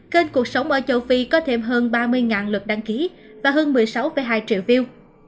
kênh cuộc sống ở châu phi có thêm hơn ba mươi lượt đăng ký và hơn một mươi sáu hai triệu view